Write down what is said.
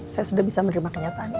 saya sudah bisa menerima kenyataan ini